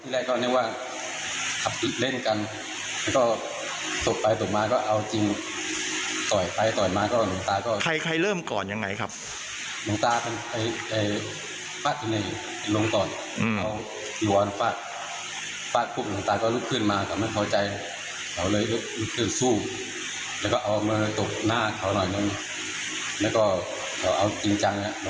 แล้วก็เขาเอาจริงจังแล้วบอกว่าลูกตาเอาจริงเหรอให้เราเล่นน่ะ